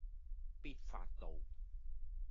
必發道